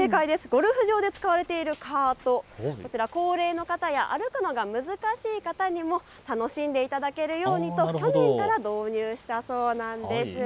ゴルフ場で使われているカート、こちら高齢の方や歩くのが難しい方にも楽しんでいただけるようにと去年から導入したそうです。